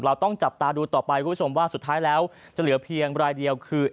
เราต้องจับตาดูต่อไปคุณผู้ชมว่าสุดท้ายแล้วจะเหลือเพียงรายเดียวคือ